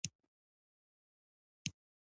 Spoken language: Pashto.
خو ارمان یې تر خاورو لاندي شو .